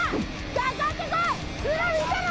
かかってこい！